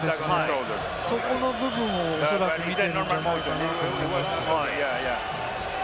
そこの部分をおそらく見ているんじゃないかと思います。